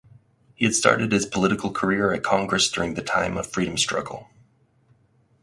He had started his political career at Congress during the time of freedom struggle.